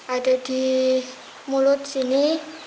ada di mulut sini